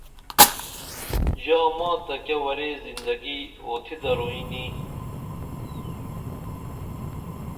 ژا ما تہ کیہ ورے زندگی اوتھی دروئیں نی